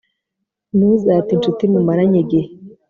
ntuzate incuti mumaranye igihe